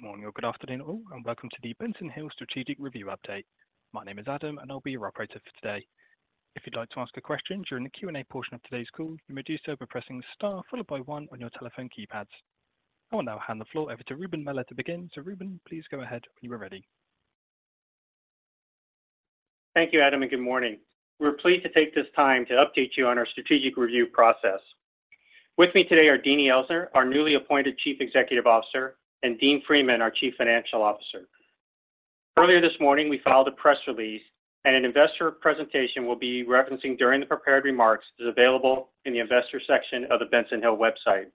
Good morning or good afternoon, all, and welcome to the Benson Hill Strategic Review Update. My name is Adam, and I'll be your operator for today. If you'd like to ask a question during the Q&A portion of today's call, you may do so by pressing star followed by one on your telephone keypads. I will now hand the floor over to Ruben Mella to begin. So Ruben, please go ahead when you are ready. Thank you, Adam, and good morning. We're pleased to take this time to update you on our strategic review process. With me today are Deanie Elsner, our newly appointed Chief Executive Officer, and Dean Freeman, our Chief Financial Officer. Earlier this morning, we filed a press release, and an investor presentation we'll be referencing during the prepared remarks is available in the Investor section of the Benson Hill website.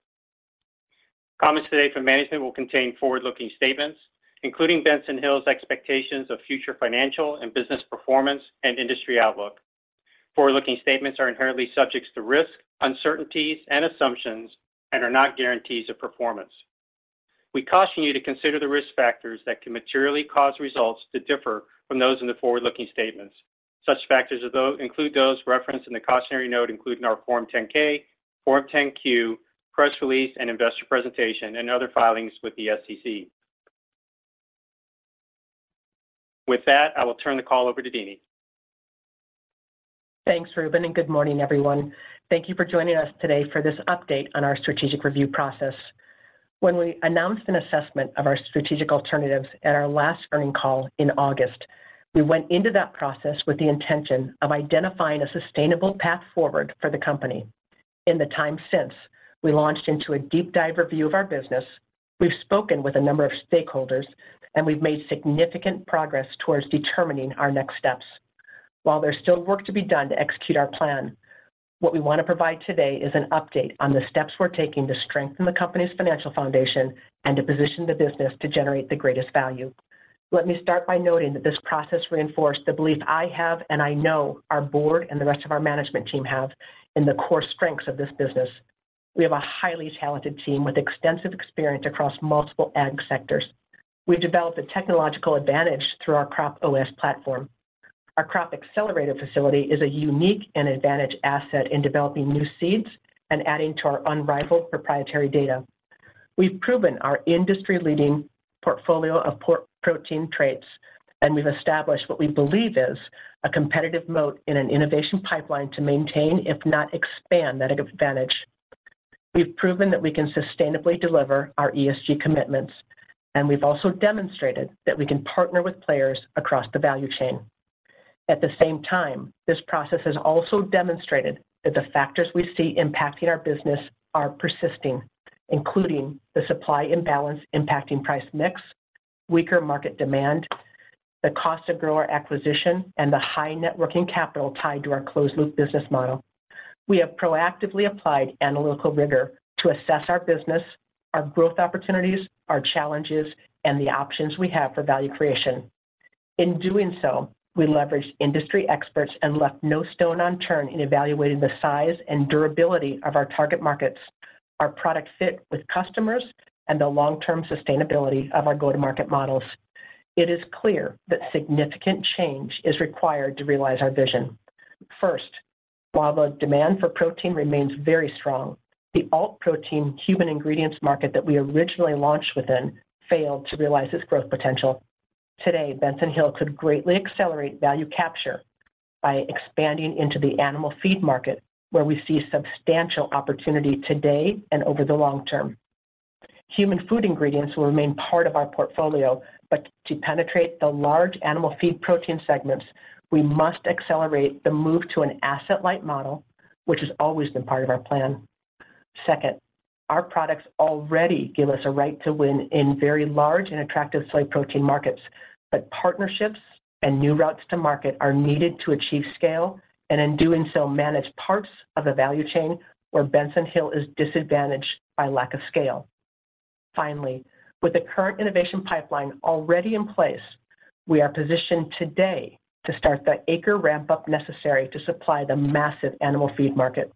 Comments today from management will contain forward-looking statements, including Benson Hill's expectations of future financial and business performance and industry outlook. Forward-looking statements are inherently subject to risks, uncertainties, and assumptions and are not guarantees of performance. We caution you to consider the risk factors that can materially cause results to differ from those in the forward-looking statements. Such factors include those referenced in the cautionary note, including our Form 10-K, Form 10-Q, press release, and investor presentation, and other filings with the SEC. With that, I will turn the call over to Deanie. Thanks, Ruben, and good morning, everyone. Thank you for joining us today for this update on our strategic review process. When we announced an assessment of our strategic alternatives at our last earnings call in August, we went into that process with the intention of identifying a sustainable path forward for the company. In the time since, we launched into a deep dive review of our business, we've spoken with a number of stakeholders, and we've made significant progress towards determining our next steps. While there's still work to be done to execute our plan, what we want to provide today is an update on the steps we're taking to strengthen the company's financial foundation and to position the business to generate the greatest value. Let me start by noting that this process reinforced the belief I have, and I know our board and the rest of our management team have in the core strengths of this business. We have a highly talented team with extensive experience across multiple ag sectors. We've developed a technological advantage through our CropOS platform. Our Crop Accelerator facility is a unique and advantaged asset in developing new seeds and adding to our unrivaled proprietary data. We've proven our industry-leading portfolio of high-protein traits, and we've established what we believe is a competitive moat in an innovation pipeline to maintain, if not expand, that advantage. We've proven that we can sustainably deliver our ESG commitments, and we've also demonstrated that we can partner with players across the value chain. At the same time, this process has also demonstrated that the factors we see impacting our business are persisting, including the supply imbalance impacting price mix, weaker market demand, the cost of grower acquisition, and the high net working capital tied to our closed-loop business model. We have proactively applied analytical rigor to assess our business, our growth opportunities, our challenges, and the options we have for value creation. In doing so, we leveraged industry experts and left no stone unturned in evaluating the size and durability of our target markets, our product fit with customers, and the long-term sustainability of our go-to-market models. It is clear that significant change is required to realize our vision. First, while the demand for protein remains very strong, the alt-protein human ingredients market that we originally launched within failed to realize its growth potential. Today, Benson Hill could greatly accelerate value capture by expanding into the animal feed market, where we see substantial opportunity today and over the long term. Human food ingredients will remain part of our portfolio, but to penetrate the large animal feed protein segments, we must accelerate the move to an asset-light model, which has always been part of our plan. Second, our products already give us a right to win in very large and attractive soy protein markets, but partnerships and new routes to market are needed to achieve scale and, in doing so, manage parts of the value chain where Benson Hill is disadvantaged by lack of scale. Finally, with the current innovation pipeline already in place, we are positioned today to start the acre ramp-up necessary to supply the massive animal feed market.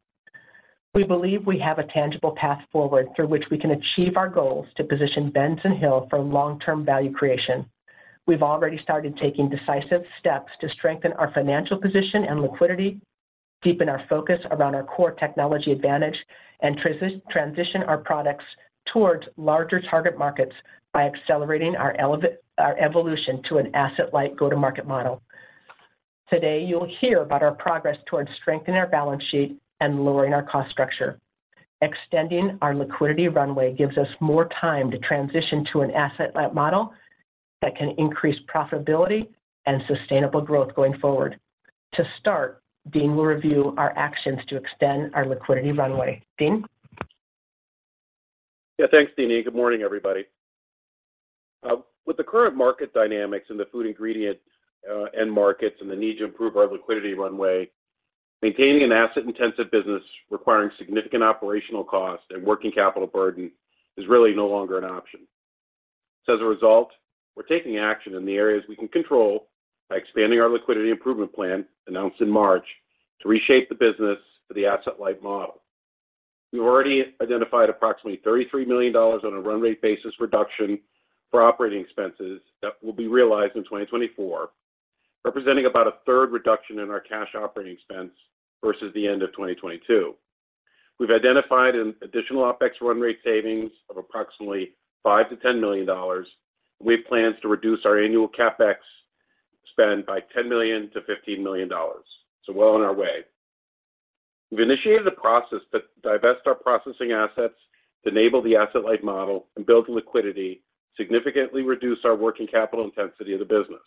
We believe we have a tangible path forward through which we can achieve our goals to position Benson Hill for long-term value creation. We've already started taking decisive steps to strengthen our financial position and liquidity, deepen our focus around our core technology advantage, and transition our products towards larger target markets by accelerating our evolution to an asset-light go-to-market model. Today, you'll hear about our progress towards strengthening our balance sheet and lowering our cost structure. Extending our liquidity runway gives us more time to transition to an asset-light model that can increase profitability and sustainable growth going forward. To start, Dean will review our actions to extend our liquidity runway. Dean? Yeah, thanks, Deanie. Good morning, everybody. With the current market dynamics in the food ingredient end markets and the need to improve our liquidity runway, maintaining an asset-intensive business requiring significant operational cost and working capital burden is really no longer an option. So as a result, we're taking action in the areas we can control by expanding our liquidity improvement plan, announced in March, to reshape the business for the asset-light model. We've already identified approximately $33 million on a run rate basis reduction for operating expenses that will be realized in 2024, representing about a third reduction in our cash operating expense versus the end of 2022. We've identified an additional OpEx run rate savings of approximately $5 million-$10 million. We have plans to reduce our annual CapEx spend by $10 million-$15 million, so well on our way. We've initiated a process to divest our processing assets to enable the asset-light model and build liquidity, significantly reduce our working capital intensity of the business.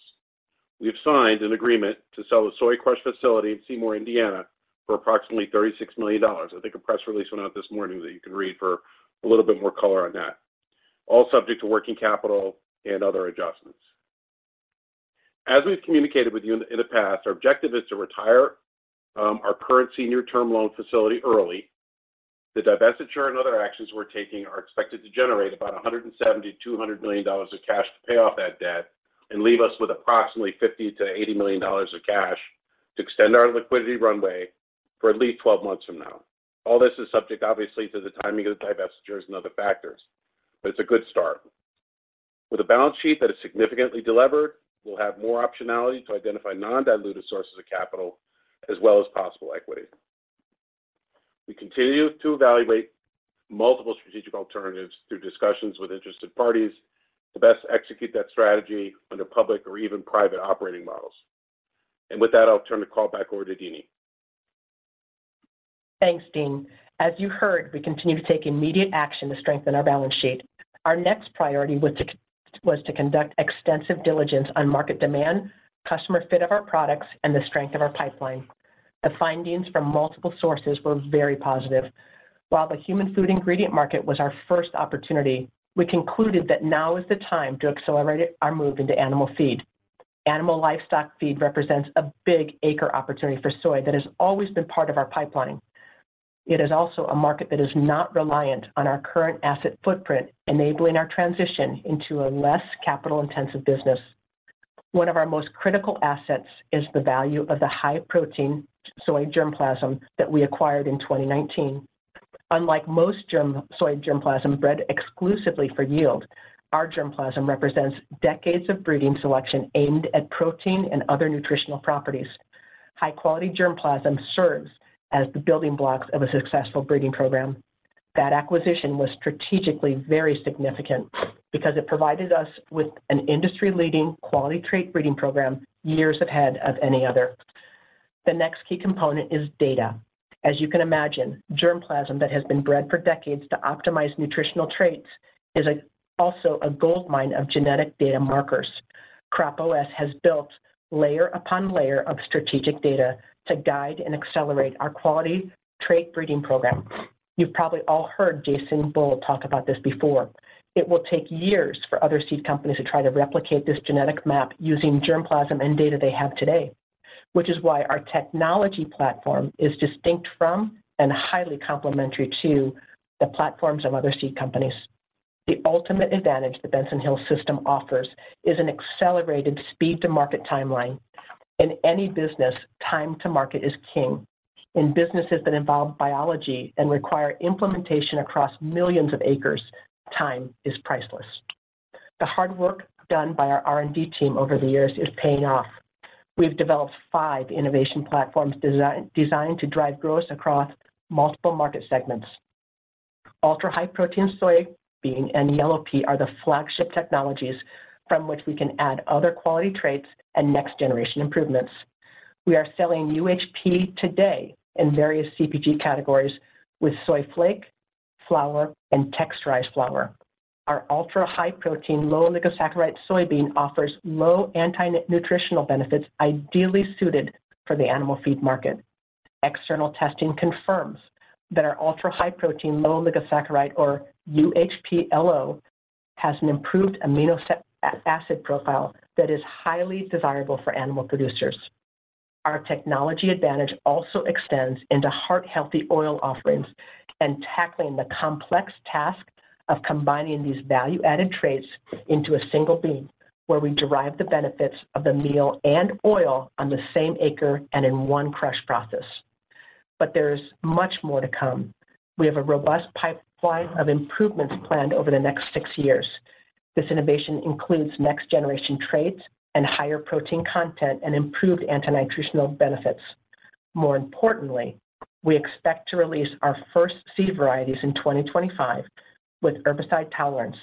We've signed an agreement to sell the soy crush facility in Seymour, Indiana, for approximately $36 million. I think a press release went out this morning that you can read for a little bit more color on that. All subject to working capital and other adjustments. As we've communicated with you in the past, our objective is to retire our current senior-term loan facility early. The divestiture and other actions we're taking are expected to generate about $170 million-$200 million of cash to pay off that debt and leave us with approximately $50 million-$80 million of cash to extend our liquidity runway for at least 12 months from now. All this is subject, obviously, to the timing of divestitures and other factors, but it's a good start. With a balance sheet that is significantly delevered, we'll have more optionality to identify non-dilutive sources of capital, as well as possible equity. We continue to evaluate multiple strategic alternatives through discussions with interested parties to best execute that strategy under public or even private operating models. And with that, I'll turn the call back over to Deanie. Thanks, Dean. As you heard, we continue to take immediate action to strengthen our balance sheet. Our next priority was to conduct extensive diligence on market demand, customer fit of our products, and the strength of our pipeline. The findings from multiple sources were very positive. While the human food ingredient market was our first opportunity, we concluded that now is the time to accelerate our move into animal feed. Animal livestock feed represents a big acre opportunity for soy that has always been part of our pipeline. It is also a market that is not reliant on our current asset footprint, enabling our transition into a less capital-intensive business. One of our most critical assets is the value of the high-protein soy germplasm that we acquired in 2019. Unlike most soy germplasm bred exclusively for yield, our germplasm represents decades of breeding selection aimed at protein and other nutritional properties. High-quality germplasm serves as the building blocks of a successful breeding program. That acquisition was strategically very significant because it provided us with an industry-leading quality trait breeding program, years ahead of any other. The next key component is data. As you can imagine, germplasm that has been bred for decades to optimize nutritional traits is also a goldmine of genetic data markers. CropOS has built layer upon layer of strategic data to guide and accelerate our quality trait breeding program. You've probably all heard Jason Bull talk about this before. It will take years for other seed companies to try to replicate this genetic map using germplasm and data they have today, which is why our technology platform is distinct from and highly complementary to the platforms of other seed companies. The ultimate advantage the Benson Hill system offers is an accelerated speed-to-market timeline. In any business, time to market is king. In businesses that involve biology and require implementation across millions of acres, time is priceless. The hard work done by our R&D team over the years is paying off. We've developed five innovation platforms designed to drive growth across multiple market segments. Ultra-high protein soybean and Yellow Pea are the flagship technologies from which we can add other quality traits and next-generation improvements. We are selling UHP today in various CPG categories with soy flake, flour, and texturized flour. Our Ultra-High Protein, Low Oligosaccharide soybean offers low anti-nutritional benefits, ideally suited for the animal feed market. External testing confirms that our Ultra-High Protein, Low Oligosaccharide or UHP-LO, has an improved amino acid profile that is highly desirable for animal producers. Our technology advantage also extends into heart-healthy oil offerings and tackling the complex task of combining these value-added traits into a single bean, where we derive the benefits of the meal and oil on the same acre and in one crush process. But there's much more to come. We have a robust pipeline of improvements planned over the next six years. This innovation includes next-generation traits and higher protein content and improved antinutritional benefits. More importantly, we expect to release our first seed varieties in 2025 with herbicide tolerance,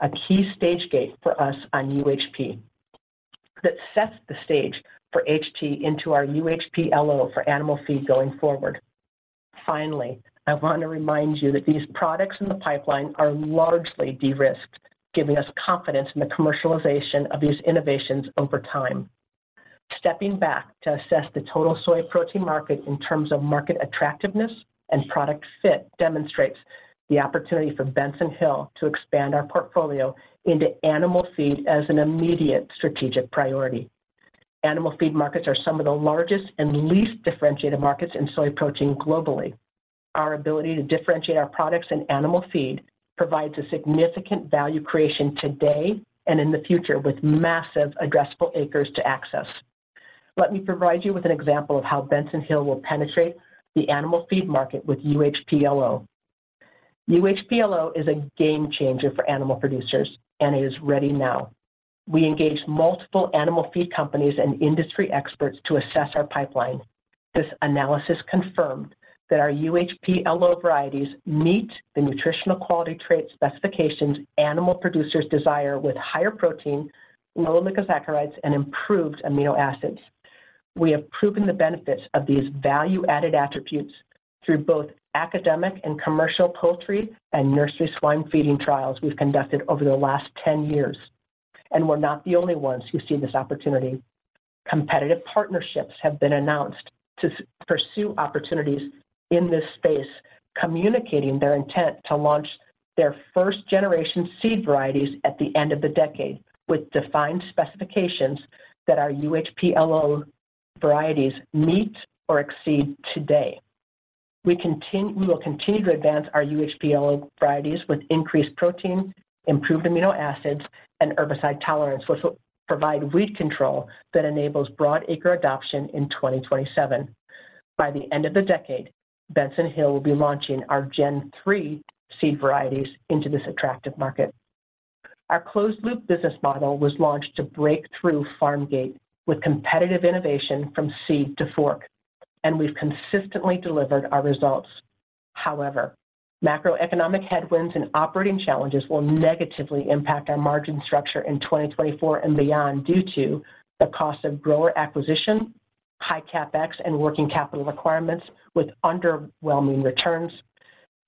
a key stage gate for us on UHP, that sets the stage for HT into our UHP-LO for animal feed going forward. Finally, I want to remind you that these products in the pipeline are largely de-risked, giving us confidence in the commercialization of these innovations over time. Stepping back to assess the total soy protein market in terms of market attractiveness and product fit demonstrates the opportunity for Benson Hill to expand our portfolio into animal feed as an immediate strategic priority. Animal feed markets are some of the largest and least differentiated markets in soy protein globally. Our ability to differentiate our products in animal feed provides a significant value creation today and in the future, with massive addressable acres to access. Let me provide you with an example of how Benson Hill will penetrate the animal feed market with UHP-LO. UHP-LO is a game changer for animal producers, and it is ready now. We engaged multiple animal feed companies and industry experts to assess our pipeline. This analysis confirmed that our UHP-LO varieties meet the nutritional quality trait specifications animal producers desire, with higher protein, lower oligosaccharides, and improved amino acids. We have proven the benefits of these value-added attributes through both academic and commercial poultry and nursery swine feeding trials we've conducted over the last 10 years, and we're not the only ones who see this opportunity. Competitive partnerships have been announced to pursue opportunities in this space, communicating their intent to launch their first-generation seed varieties at the end of the decade, with defined specifications that our UHP-LO varieties meet or exceed today. We will continue to advance our UHP-LO varieties with increased protein, improved amino acids, and herbicide tolerance, which will provide weed control that enables broadacre adoption in 2027. By the end of the decade, Benson Hill will be launching our Gen3 seed varieties into this attractive market. Our closed-loop business model was launched to break through farmgate with competitive innovation from seed to fork, and we've consistently delivered our results. However, macroeconomic headwinds and operating challenges will negatively impact our margin structure in 2024 and beyond due to the cost of grower acquisition, high CapEx and working capital requirements with underwhelming returns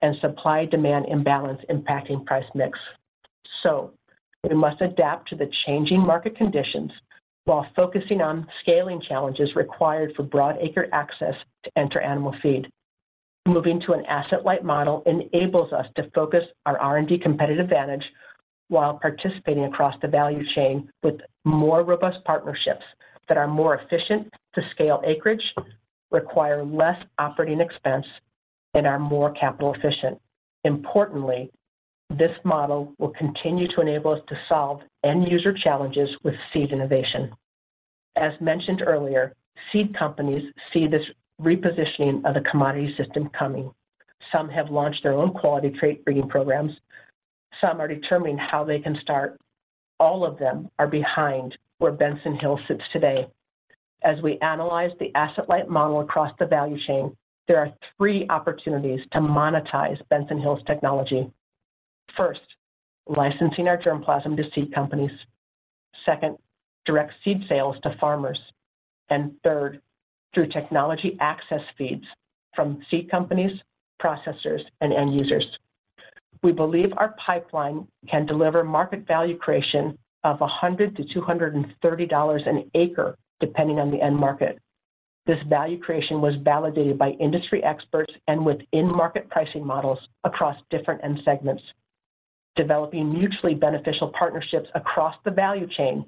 and supply-demand imbalance impacting price mix. So we must adapt to the changing market conditions while focusing on scaling challenges required for broadacre access to enter animal feed. Moving to an asset-light model enables us to focus our R&D competitive advantage while participating across the value chain with more robust partnerships that are more efficient to scale acreage, require less operating expense, and are more capital efficient. Importantly, this model will continue to enable us to solve end-user challenges with seed innovation. As mentioned earlier, seed companies see this repositioning of the commodity system coming. Some have launched their own quality trait breeding programs. Some are determining how they can start. All of them are behind where Benson Hill sits today. As we analyze the asset-light model across the value chain, there are three opportunities to monetize Benson Hill's technology. First, licensing our germplasm to seed companies. Second, direct seed sales to farmers. And third, through technology access fees from seed companies, processors, and end users. We believe our pipeline can deliver market value creation of $100-$230 an acre, depending on the end market. This value creation was validated by industry experts and within market pricing models across different end segments. Developing mutually beneficial partnerships across the value chain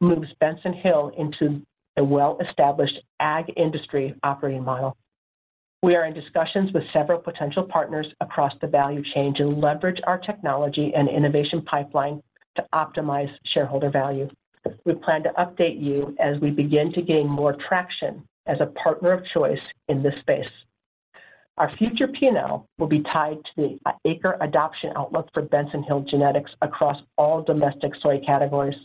moves Benson Hill into a well-established ag industry operating model. We are in discussions with several potential partners across the value chain to leverage our technology and innovation pipeline to optimize shareholder value. We plan to update you as we begin to gain more traction as a partner of choice in this space. Our future P&L will be tied to the acre adoption outlook for Benson Hill genetics across all domestic soy categories.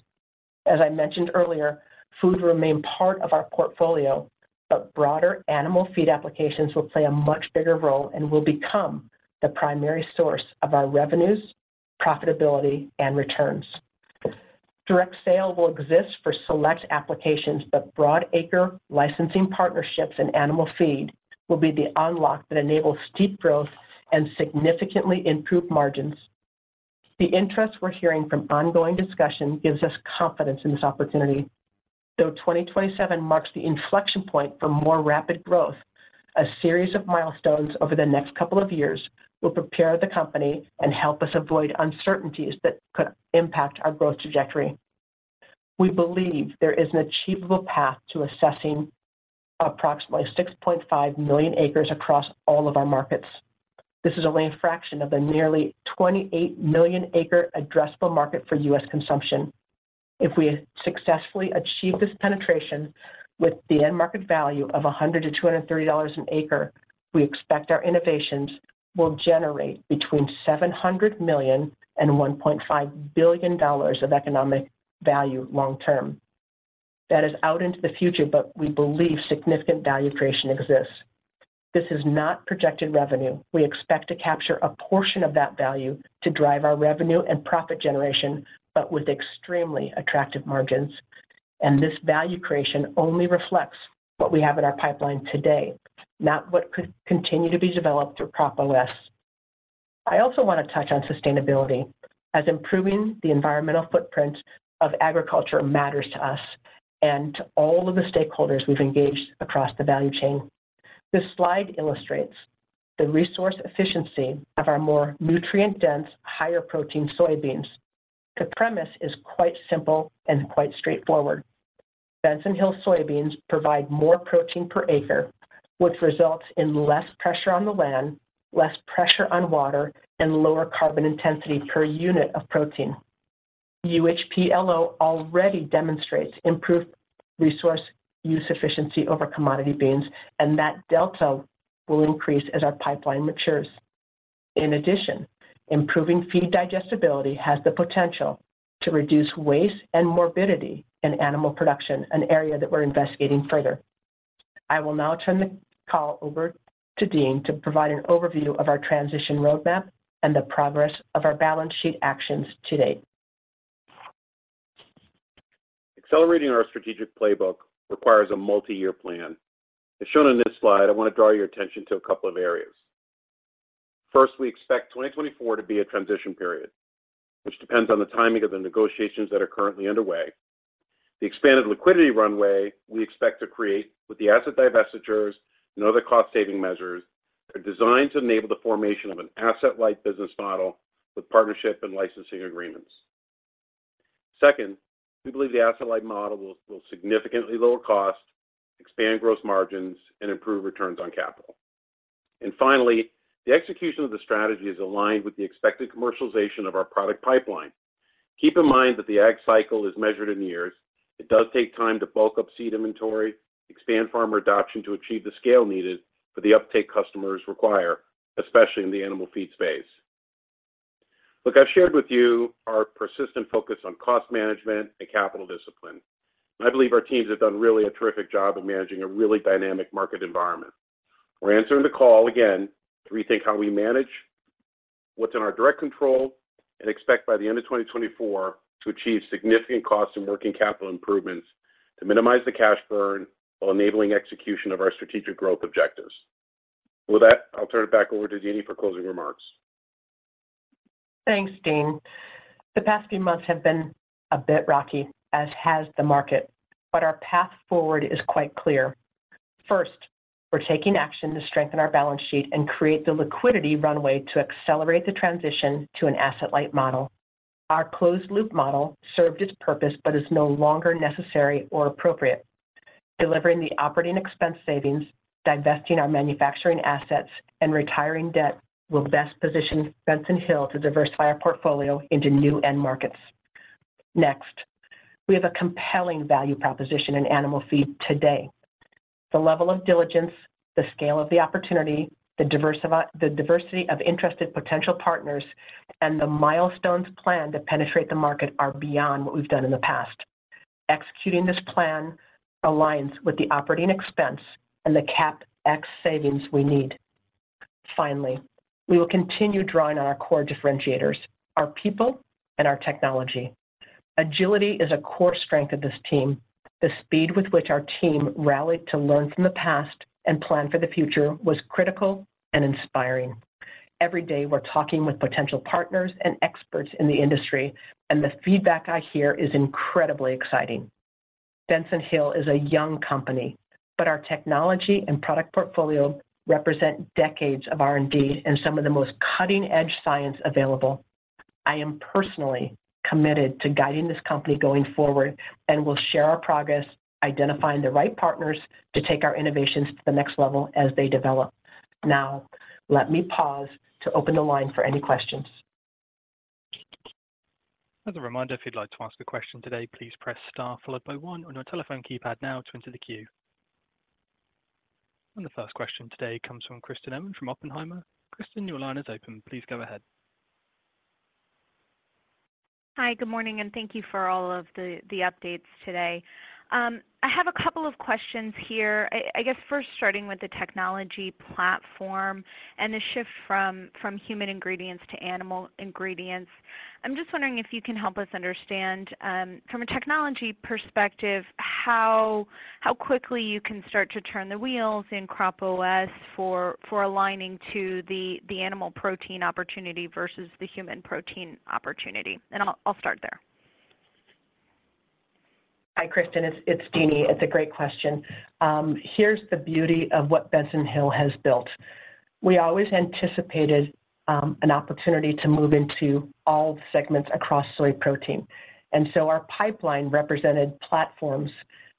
As I mentioned earlier, food will remain part of our portfolio, but broader animal feed applications will play a much bigger role and will become the primary source of our revenues, profitability, and returns. Direct sale will exist for select applications, but broadacre licensing partnerships and animal feed will be the unlock that enables steep growth and significantly improved margins. The interest we're hearing from ongoing discussion gives us confidence in this opportunity. Though 2027 marks the inflection point for more rapid growth, a series of milestones over the next couple of years will prepare the company and help us avoid uncertainties that could impact our growth trajectory. We believe there is an achievable path to accessing approximately 6.5 million acres across all of our markets. This is only a fraction of the nearly 28 million acre addressable market for U.S. consumption. If we successfully achieve this penetration with the end market value of $100-$230 an acre, we expect our innovations will generate between $700 million and $1.5 billion of economic value long term. That is out into the future, but we believe significant value creation exists. This is not projected revenue. We expect to capture a portion of that value to drive our revenue and profit generation, but with extremely attractive margins. And this value creation only reflects what we have in our pipeline today, not what could continue to be developed through CropOS. I also want to touch on sustainability as improving the environmental footprint of agriculture matters to us and to all of the stakeholders we've engaged across the value chain. This slide illustrates the resource efficiency of our more nutrient-dense, higher protein soybeans. The premise is quite simple and quite straightforward. Benson Hill soybeans provide more protein per acre, which results in less pressure on the land, less pressure on water, and lower carbon intensity per unit of protein. UHP-LO already demonstrates improved resource use efficiency over commodity beans, and that delta will increase as our pipeline matures. In addition, improving feed digestibility has the potential to reduce waste and morbidity in animal production, an area that we're investigating further. I will now turn the call over to Dean to provide an overview of our transition roadmap and the progress of our balance sheet actions to date. Accelerating our strategic playbook requires a multi-year plan. As shown in this slide, I want to draw your attention to a couple of areas. First, we expect 2024 to be a transition period, which depends on the timing of the negotiations that are currently underway. The expanded liquidity runway we expect to create with the asset divestitures and other cost-saving measures, are designed to enable the formation of an asset-light business model with partnership and licensing agreements. Second, we believe the asset-light model will significantly lower costs, expand gross margins, and improve returns on capital. And finally, the execution of the strategy is aligned with the expected commercialization of our product pipeline. Keep in mind that the ag cycle is measured in years. It does take time to bulk up seed inventory, expand farmer adoption to achieve the scale needed for the uptake customers require, especially in the animal feed space. Look, I've shared with you our persistent focus on cost management and capital discipline. I believe our teams have done really a terrific job of managing a really dynamic market environment. We're answering the call again to rethink how we manage what's in our direct control and expect by the end of 2024 to achieve significant cost and working capital improvements to minimize the cash burn while enabling execution of our strategic growth objectives. With that, I'll turn it back over to Deanie for closing remarks. Thanks, Dean. The past few months have been a bit rocky, as has the market, but our path forward is quite clear. First, we're taking action to strengthen our balance sheet and create the liquidity runway to accelerate the transition to an asset-light model. Our closed loop model served its purpose, but is no longer necessary or appropriate. Delivering the operating expense savings, divesting our manufacturing assets, and retiring debt will best position Benson Hill to diversify our portfolio into new end markets. Next, we have a compelling value proposition in animal feed today. The level of diligence, the scale of the opportunity, the diversity of interested potential partners, and the milestones planned to penetrate the market are beyond what we've done in the past. Executing this plan aligns with the operating expense and the CapEx savings we need. Finally, we will continue drawing on our core differentiators, our people and our technology. Agility is a core strength of this team. The speed with which our team rallied to learn from the past and plan for the future was critical and inspiring. Every day, we're talking with potential partners and experts in the industry, and the feedback I hear is incredibly exciting. Benson Hill is a young company, but our technology and product portfolio represent decades of R&D and some of the most cutting-edge science available. I am personally committed to guiding this company going forward, and will share our progress identifying the right partners to take our innovations to the next level as they develop. Now, let me pause to open the line for any questions. As a reminder, if you'd like to ask a question today, please press star followed by one on your telephone keypad now to enter the queue. The first question today comes from Kristen Owen from Oppenheimer. Kristen, your line is open. Please go ahead. Hi, good morning, and thank you for all of the updates today. I have a couple of questions here. I guess first starting with the technology platform and the shift from human ingredients to animal ingredients. I'm just wondering if you can help us understand, from a technology perspective, how quickly you can start to turn the wheels in CropOS for aligning to the animal protein opportunity versus the human protein opportunity? And I'll start there. Hi, Kristen, it's Deanie. It's a great question. Here's the beauty of what Benson Hill has built. We always anticipated an opportunity to move into all segments across soy protein, and so our pipeline represented platforms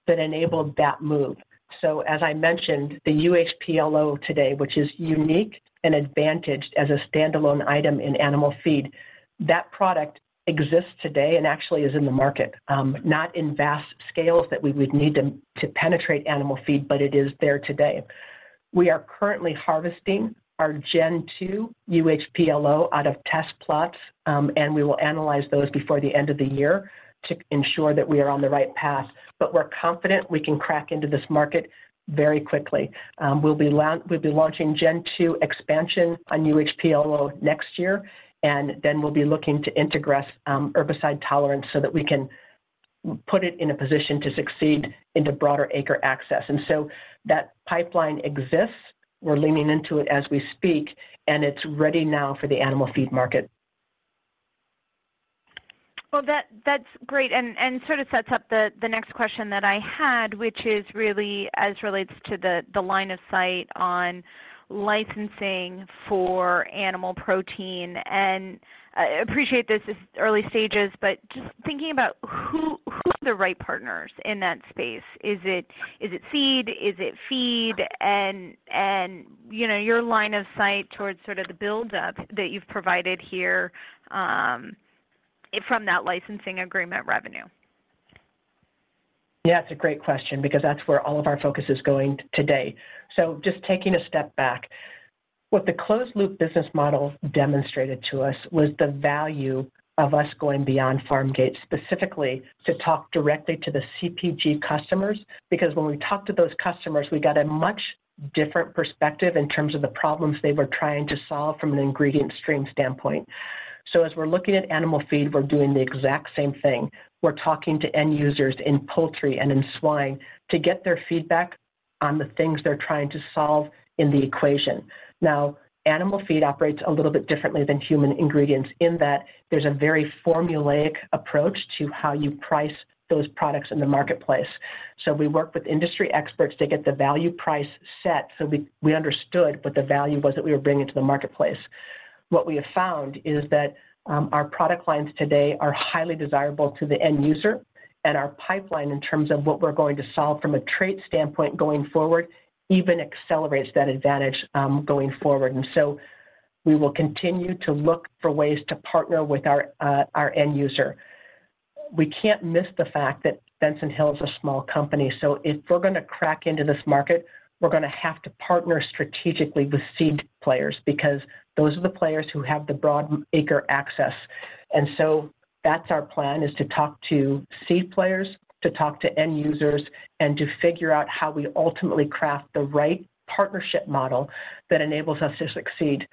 that enabled that move. So as I mentioned, the UHP-LO today, which is unique and advantaged as a standalone item in animal feed, that product exists today and actually is in the market, not in vast scales that we would need them to penetrate animal feed, but it is there today. We are currently harvesting our Gen2 UHP-LO out of test plots, and we will analyze those before the end of the year to ensure that we are on the right path. But we're confident we can crack into this market very quickly. We'll be launching Gen2 expansion on UHP-LO next year, and then we'll be looking to integrate herbicide tolerance so that we can put it in a position to succeed into broader acre access. And so that pipeline exists. We're leaning into it as we speak, and it's ready now for the animal feed market. Well, that's great and sort of sets up the next question that I had, which is really as relates to the line of sight on licensing for animal protein. And I appreciate this is early stages, but just thinking about who are the right partners in that space? Is it seed? Is it feed? And you know, your line of sight towards sort of the build-up that you've provided here, from that licensing agreement revenue. Yeah, that's a great question because that's where all of our focus is going today. So just taking a step back, what the closed-loop business model demonstrated to us was the value of us going beyond farm gate, specifically to talk directly to the CPG customers. Because when we talked to those customers, we got a much different perspective in terms of the problems they were trying to solve from an ingredient stream standpoint. So as we're looking at animal feed, we're doing the exact same thing. We're talking to end users in poultry and in swine to get their feedback on the things they're trying to solve in the equation. Now, animal feed operates a little bit differently than human ingredients in that there's a very formulaic approach to how you price those products in the marketplace. So we work with industry experts to get the value price set, so we understood what the value was that we were bringing to the marketplace. What we have found is that our product lines today are highly desirable to the end user, and our pipeline, in terms of what we're going to solve from a trait standpoint going forward, even accelerates that advantage going forward. And so we will continue to look for ways to partner with our end user. We can't miss the fact that Benson Hill is a small company, so if we're gonna crack into this market, we're gonna have to partner strategically with seed players, because those are the players who have the broadacre access. And so that's our plan, is to talk to seed players, to talk to end users, and to figure out how we ultimately craft the right partnership model that enables us to succeed.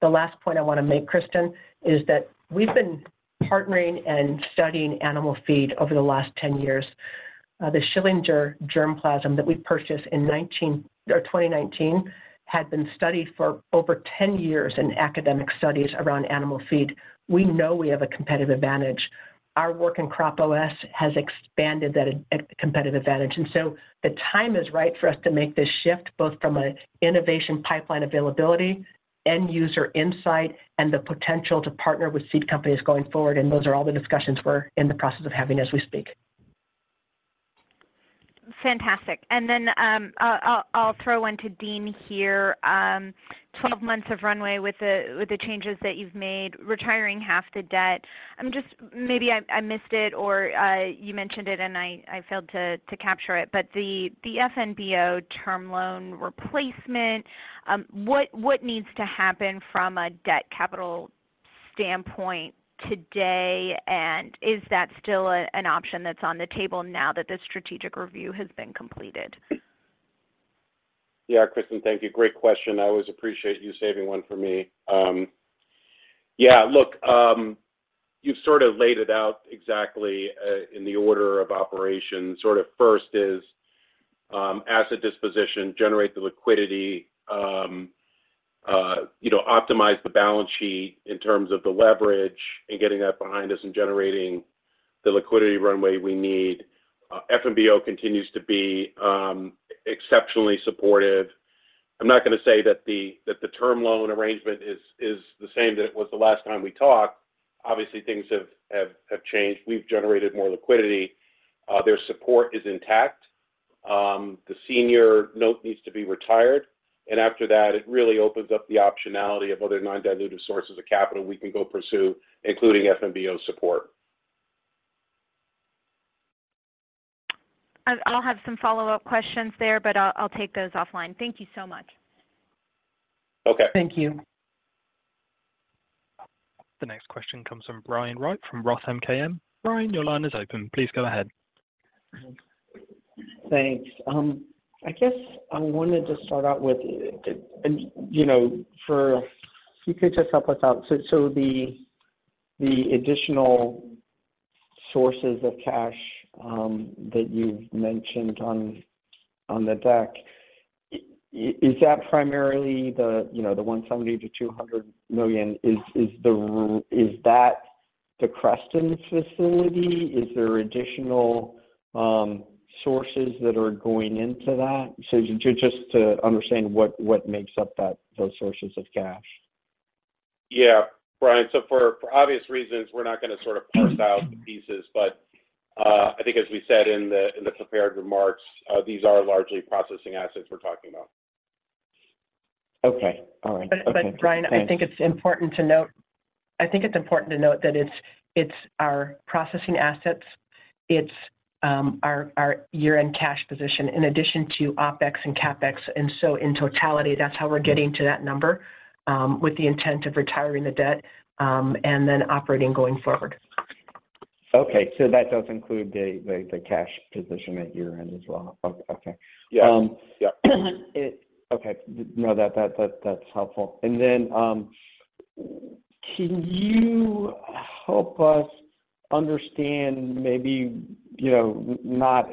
The last point I want to make, Kristen, is that we've been partnering and studying animal feed over the last 10 years. The Schillinger germplasm that we purchased in 2019 had been studied for over 10 years in academic studies around animal feed. We know we have a competitive advantage. Our work in CropOS has expanded that competitive advantage. And so the time is right for us to make this shift, both from an innovation pipeline availability, end user insight, and the potential to partner with seed companies going forward. And those are all the discussions we're in the process of having as we speak. Fantastic. And then, I'll throw one to Dean here. Twelve months of runway with the changes that you've made, retiring half the debt. Just maybe, I missed it or, you mentioned it, and I failed to capture it, but the FNBO term loan replacement, what needs to happen from a debt capital standpoint today? And is that still an option that's on the table now that the strategic review has been completed? Yeah, Kristen, thank you. Great question. I always appreciate you saving one for me. Yeah, look, you've sort of laid it out exactly, in the order of operation. Sort of first is, asset disposition, generate the liquidity, you know, optimize the balance sheet in terms of the leverage and getting that behind us and generating the liquidity runway we need. FNBO continues to be, exceptionally supportive. I'm not gonna say that the term loan arrangement is the same that it was the last time we talked. Obviously, things have changed. We've generated more liquidity. Their support is intact. The senior note needs to be retired, and after that, it really opens up the optionality of other non-dilutive sources of capital we can go pursue, including FNBO support. I'll have some follow-up questions there, but I'll take those offline. Thank you so much. Okay. Thank you. The next question comes from Brian Wright from Roth MKM. Brian, your line is open. Please go ahead. Thanks. I guess I wanted to start out with, you know, if you could just help us out. So, the additional sources of cash that you've mentioned on the deck, is that primarily the, you know, the $170 million-$200 million? Is that the Creston facility? Is there additional sources that are going into that? So just to understand what makes up those sources of cash. Yeah, Brian. So for obvious reasons, we're not gonna sort of parse out the pieces, but I think as we said in the prepared remarks, these are largely processing assets we're talking about. Okay. All right. But, Brian, I think it's important to note that it's our processing assets, it's our year-end cash position, in addition to OpEx and CapEx. And so in totality, that's how we're getting to that number, with the intent of retiring the debt, and then operating going forward. Okay. So that does include the cash position at year-end as well? Okay. Yeah. Okay, no, that's helpful. And then, can you help us understand maybe, you know, not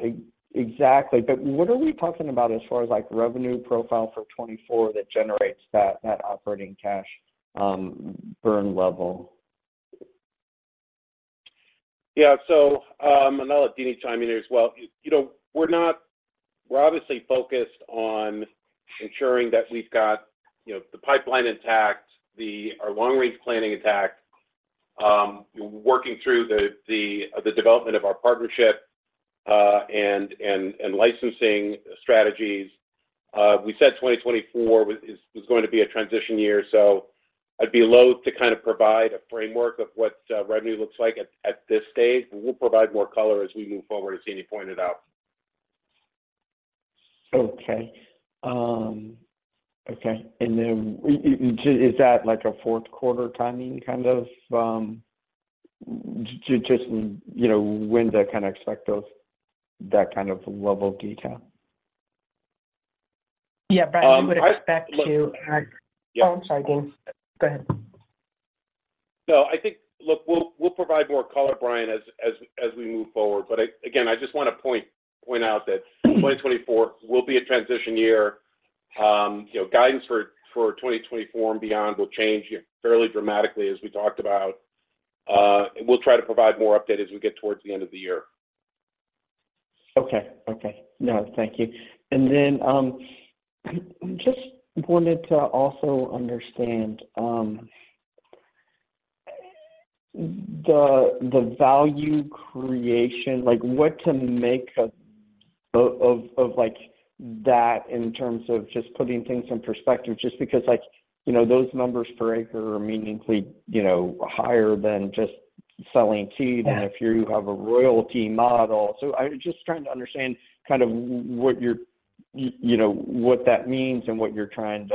exactly, but what are we talking about as far as, like, revenue profile for 2024 that generates that operating cash burn level? Yeah. So, and I'll let Deanie chime in here as well. You know, we're obviously focused on ensuring that we've got, you know, the pipeline intact, our long-range planning intact, working through the development of our partnership and licensing strategies. We said 2024 is going to be a transition year, so I'd be loath to kind of provide a framework of what revenue looks like at this stage. But we'll provide more color as we move forward, as Deanie pointed out. Okay. And then, just, is that like a fourth quarter timing, kind of, just, you know, when to kind of expect that kind of level of detail? Yeah, Brian, I would expect to. Oh, sorry, Dean. Go ahead. No, I think, look, we'll provide more color, Brian, as we move forward. But again, I just want to point out that 2024 will be a transition year. You know, guidance for 2024 and beyond will change fairly dramatically, as we talked about. And we'll try to provide more update as we get towards the end of the year. Okay. No, thank you. And then I just wanted to also understand the value creation, like what to make of that in terms of just putting things in perspective, just because like, you know, those numbers per acre are meaningfully, you know, higher than just selling seed than if you have a royalty model. So I'm just trying to understand kind of what you're, you know, what that means and what you're trying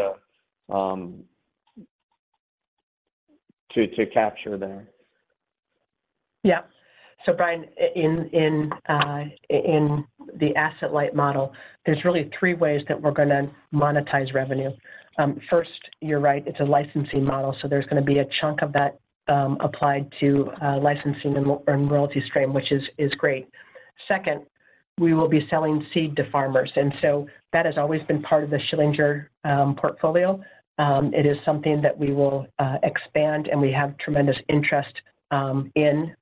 to capture there. Yeah. So Brian, in the asset-light model, there's really three ways that we're gonna monetize revenue. First, you're right, it's a licensing model, so there's gonna be a chunk of that, applied to licensing and royalty stream, which is great. Second, we will be selling seed to farmers, and so that has always been part of the Schillinger portfolio. It is something that we will expand, and we have tremendous interest in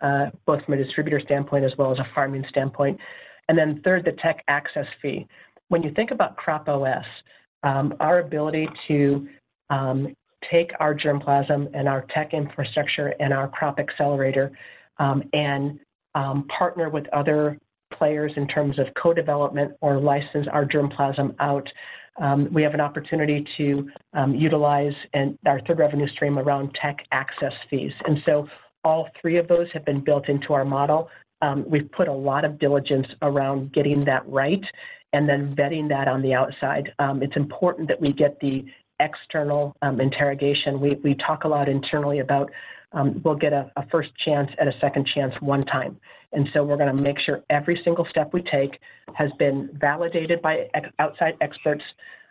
both from a distributor standpoint as well as a farming standpoint. And then third, the tech access fee. When you think about CropOS, our ability to take our germplasm and our tech infrastructure and our Crop Accelerator, and partner with other players in terms of co-development or license our germplasm out, we have an opportunity to utilize and our third revenue stream around tech access fees. So all three of those have been built into our model. We've put a lot of diligence around getting that right and then vetting that on the outside. It's important that we get the external interrogation. We talk a lot internally about we'll get a first chance at a second chance one time. And so we're gonna make sure every single step we take has been validated by outside experts,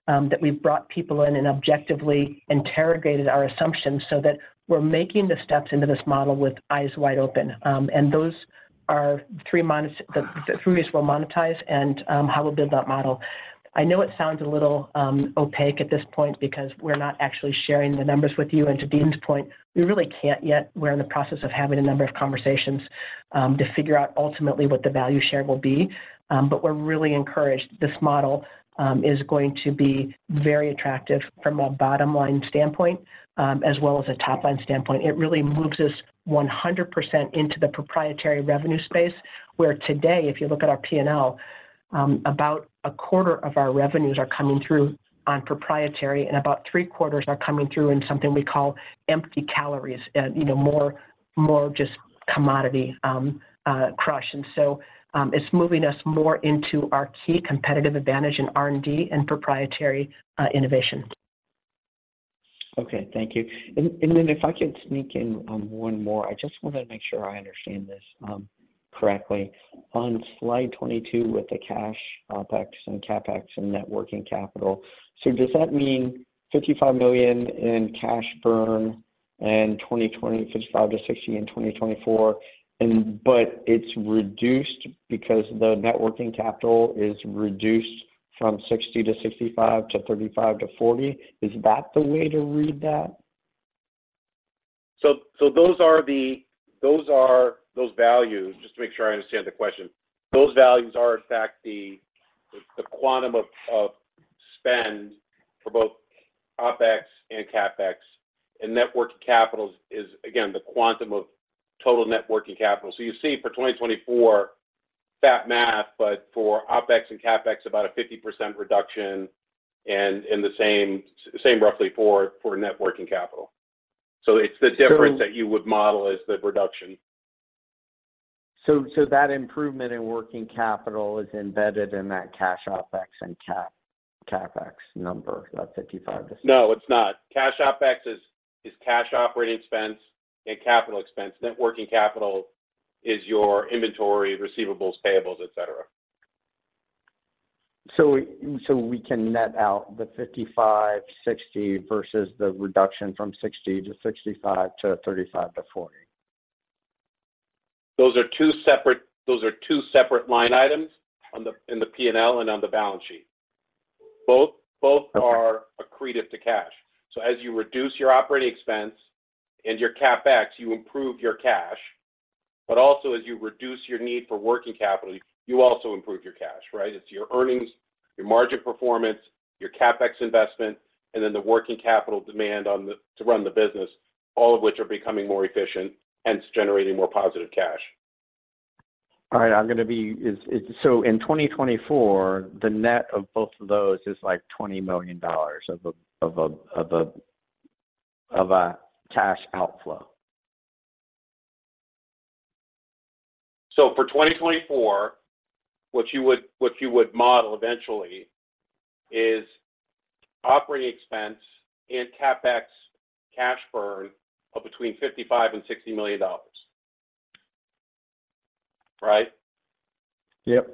that we've brought people in and objectively interrogated our assumptions so that we're making the steps into this model with eyes wide open. And those are the three ways we'll monetize and how we'll build that model. I know it sounds a little opaque at this point because we're not actually sharing the numbers with you. And to Dean's point, we really can't yet. We're in the process of having a number of conversations to figure out ultimately what the value share will be. But we're really encouraged this model is going to be very attractive from a bottom-line standpoint as well as a top-line standpoint. It really moves us 100% into the proprietary revenue space, where today, if you look at our P&L, about 1/4 of our revenues are coming through on proprietary, and about 3/4 are coming through in something we call empty calories. You know, more just commodity crush. And so, it's moving us more into our key competitive advantage in R&D and proprietary innovation. Okay, thank you. And then if I could sneak in, one more, I just want to make sure I understand this, correctly. On slide 22 with the cash, OpEx and CapEx and net working capital. So does that mean $55 million in cash burn in 2020, $55 million-$60 million in 2024, and but it's reduced because the net working capital is reduced from $60 million-$65 million to $35 million-$40 million? Is that the way to read that? So those are those values, just to make sure I understand the question. Those values are in fact the quantum of spend for both OpEx and CapEx. And net working capital is, again, the quantum of total net working capital. So you see for 2024, fat math, but for OpEx and CapEx, about a 50% reduction, and in the same roughly for net working capital. So it's the difference that you would model as the reduction. So, that improvement in working capital is embedded in that cash OpEx and CapEx number, that $55 million-$60 million? No, it's not. Cash OpEx is cash operating expense and capital expense. Net working capital is your inventory, receivables, payables, et cetera. We can net out the $55 million-$60 million versus the reduction from $60 million-$65 million to $35 million-$40 million. Those are two separate line items in the P&L and on the balance sheet. Both are accretive to cash. So as you reduce your operating expense and your CapEx, you improve your cash. But also, as you reduce your need for working capital, you also improve your cash, right? It's your earnings, your margin performance, your CapEx investment, and then the working capital demand on the to run the business, all of which are becoming more efficient, hence generating more positive cash. All right, so in 2024, the net of both of those is like $20 million of a cash outflow? For 2024, what you would model eventually is operating expense and CapEx cash burn of between $55 million and $60 million. Right? Yep.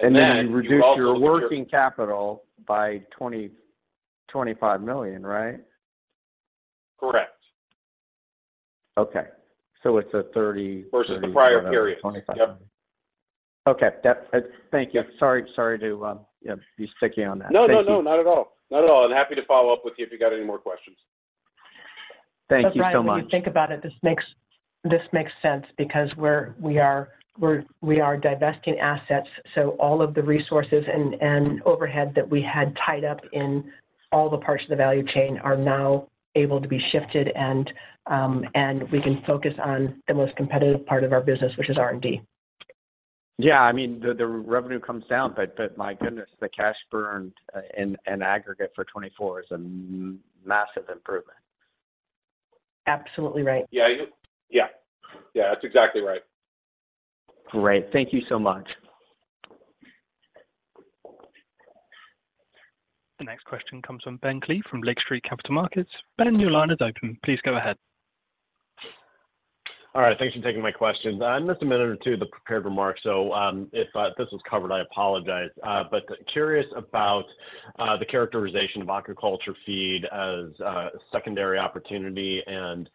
Then you reduce your working capital by $25 million, right? Correct. Versus the prior period. Okay, so it's a 25. Yep. Okay, thank you. Sorry, yeah, be sticky on that. No, no, no, not at all. Not at all, and happy to follow up with you if you got any more questions. Thank you so much. But Brian, if you think about it, this makes sense because we're divesting assets, so all of the resources and overhead that we had tied up in all the parts of the value chain are now able to be shifted, and we can focus on the most competitive part of our business, which is R&D. Yeah, I mean, the revenue comes down, but my goodness, the cash burned in aggregate for 2024 is a massive improvement. Absolutely right. Yeah, that's exactly right. Great. Thank you so much. The next question comes from Ben Klieve, from Lake Street Capital Markets. Ben, your line is open. Please go ahead. All right, thanks for taking my questions. I missed a minute or two of the prepared remarks, so, if this was covered, I apologize. But curious about the characterization of aquaculture feed as a secondary opportunity and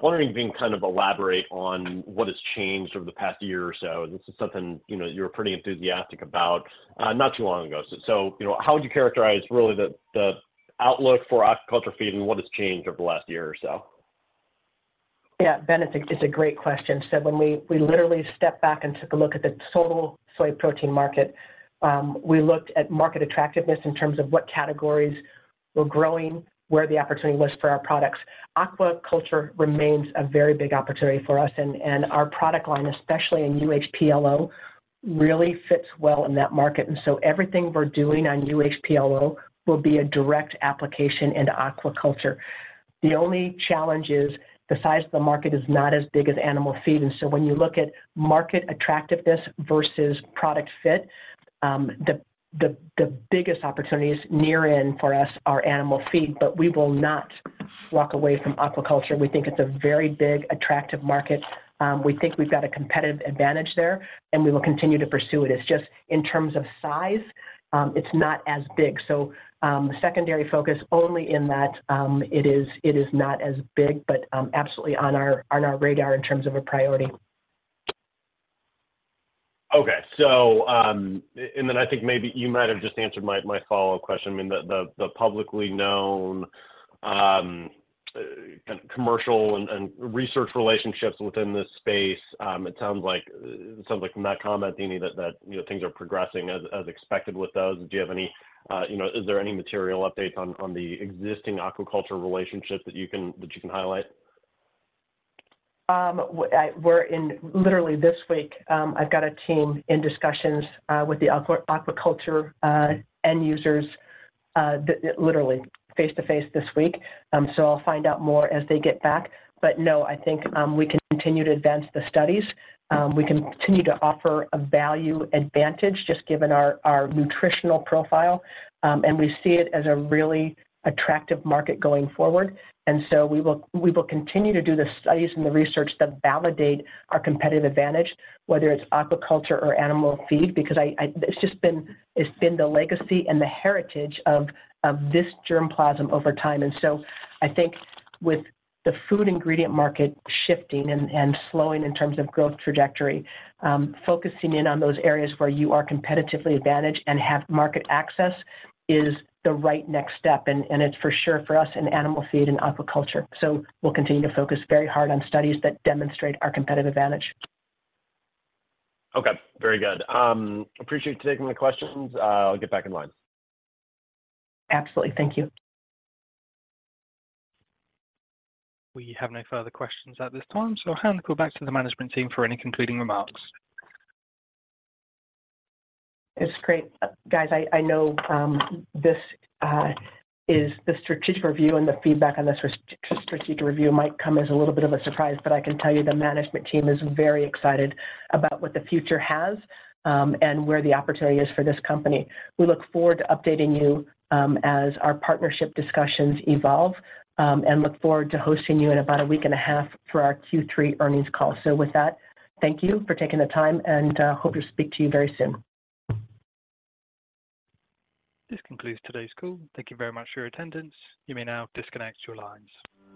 wondering if you can kind of elaborate on what has changed over the past year or so. This is something, you know, you were pretty enthusiastic about not too long ago. So, you know, how would you characterize really the outlook for aquaculture feed and what has changed over the last year or so? Yeah, Ben, it's a great question. So when we literally stepped back and took a look at the total soy protein market, we looked at market attractiveness in terms of what categories were growing, where the opportunity was for our products. Aquaculture remains a very big opportunity for us, and our product line, especially in UHP-LO, really fits well in that market. And so everything we're doing on UHP-LO will be a direct application into aquaculture. The only challenge is the size of the market is not as big as animal feed. And so when you look at market attractiveness versus product fit, the biggest opportunities near in for us are animal feed, but we will not walk away from aquaculture. We think it's a very big, attractive market. We think we've got a competitive advantage there, and we will continue to pursue it. It's just in terms of size, it's not as big. So, secondary focus only in that, it is not as big, but, absolutely on our radar in terms of a priority. Okay. So, and then I think maybe you might have just answered my follow-up question. I mean, the publicly known kind of commercial and research relationships within this space, it sounds like from that comment, Deanie, that you know, things are progressing as expected with those. Do you have any, you know, is there any material updates on the existing aquaculture relationships that you can highlight? We're literally in discussions this week. I've got a team in discussions with the aquaculture end users, literally face to face this week. So I'll find out more as they get back. But no, I think we can continue to advance the studies. We can continue to offer a value advantage, just given our nutritional profile, and we see it as a really attractive market going forward. And so we will continue to do the studies and the research that validate our competitive advantage, whether it's aquaculture or animal feed, because it's just been the legacy and the heritage of this germplasm over time. And so I think with the food ingredient market shifting and slowing in terms of growth trajectory, focusing in on those areas where you are competitively advantaged and have market access is the right next step, and, and it's for sure for us in animal feed and aquaculture. So we'll continue to focus very hard on studies that demonstrate our competitive advantage. Okay, very good. Appreciate you taking my questions. I'll get back in line. Absolutely. Thank you. We have no further questions at this time, so I'll hand it back to the management team for any concluding remarks. It's great. Guys, I know this is the strategic review and the feedback on the strategic review might come as a little bit of a surprise, but I can tell you the management team is very excited about what the future has and where the opportunity is for this company. We look forward to updating you as our partnership discussions evolve and look forward to hosting you in about a week and a half for our Q3 earnings call. So with that, thank you for taking the time, and hope to speak to you very soon. This concludes today's call. Thank you very much for your attendance. You may now disconnect your lines.